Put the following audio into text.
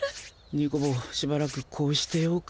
ニコ坊しばらくこうしてようか。